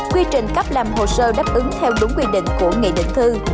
quy trình cách làm hồ sơ đáp ứng theo đúng quy định của nghị định thư